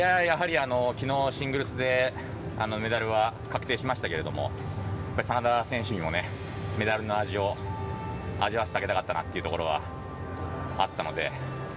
きのう、シングルスでメダルは確定しましたけれども眞田選手にも、メダルの味を味わわせてあげたかったなというところはあったので。